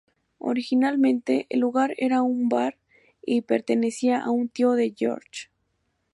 Originalmente, el lugar era un bar y pertenecía a un tío de George.